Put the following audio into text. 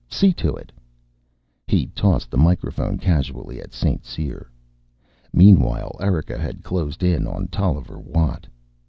See to it." He tossed the microphone casually at St. Cyr. Meanwhile, Erika had closed in on Tolliver Watt.